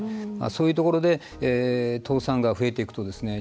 そういうところで倒産が増えていくとですね